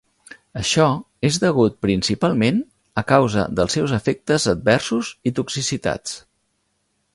Això és degut principalment a causa dels seus efectes adversos i toxicitats.